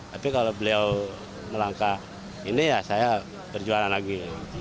tapi kalau beliau melangkah ini ya saya berjualan lagi